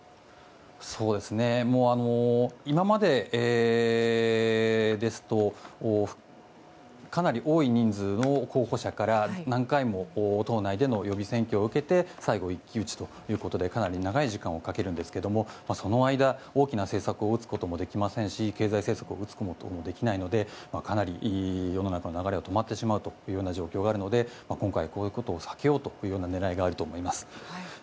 今までですとかなり多い人数の候補者から何回も党内での予備選挙を受けて最後一騎打ちということでかなり長い時間をかけるんですがその間、大きな政策を打つこともできませんし経済政策を打つこともできないのでかなり世の中の流れが止まってしまうというような状況があるので今回、こういうことを避けようという狙いがあると思います。